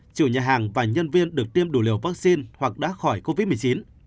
chủ nhà hàng và nhân viên được tiêm đủ liều vaccine hoặc đã khỏi covid một mươi chín